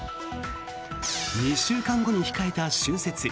２週間後に控えた春節。